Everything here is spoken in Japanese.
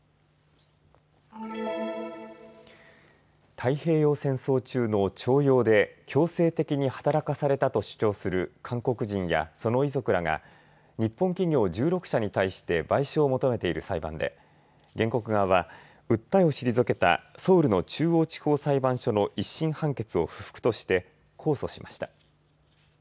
太平洋戦争中の徴用で強制的に働かされたと主張する韓国人やその遺族らが日本企業１６社に対して賠償を求めている裁判で原告側は訴えを退けたソウルの中央地方裁判所の１審判決を不服として控訴しました。